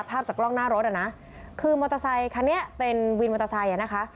ภาพจากกล้องหน้ารถอ่ะนะคือมอเตอร์ไซคันนี้เป็นวินมอเตอร์ไซค์อ่ะนะคะ